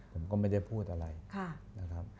ผมก็ไม่ได้พูดอะไรนะครับ